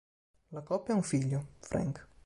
La coppia ha un figlio, Frank.